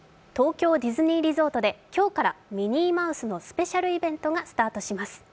東京ディズニーリゾートで今日からミニーマウスのスペシャルイベントがスタートします。